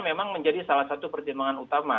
memang menjadi salah satu pertimbangan utama